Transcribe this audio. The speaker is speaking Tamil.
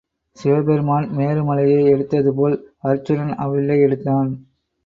சிவபெருமான் மேருமலையை எடுத்தது போல் அருச்சுனன் அவ்வில்லை எடுத்தான்.